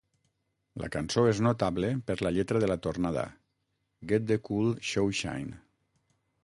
La cançó és notable per la lletra de la tornada, "get the cool shoeshine".